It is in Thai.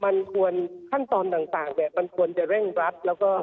มันควรขั้นตอนต่างเนี่ยมันควรจะเร่งรัดแล้วก็